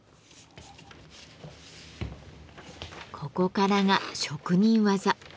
ここからが職人技。